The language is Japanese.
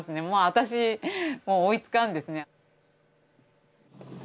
もう私追いつかんですね。